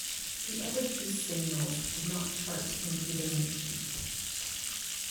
The other two singles did not chart in either nation.